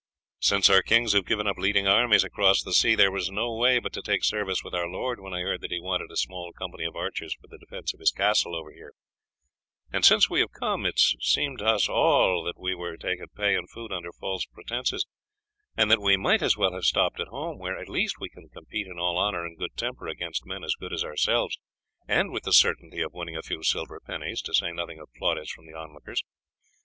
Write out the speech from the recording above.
Since our kings have given up leading armies across the sea, there was no way but to take service with our lord when I heard that he wanted a small company of archers for the defence of his castle over here, and since we have come it has seemed to us all that we were taking pay and food under false pretences, and that we might as well have stopped at home where, at least, we can compete in all honour and good temper against men as good as ourselves, and with the certainty of winning a few silver pennies, to say nothing of plaudits from the onlookers.